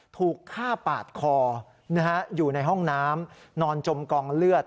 ถูกฆ่าปาดคออยู่ในห้องน้ำนอนจมกองเลือด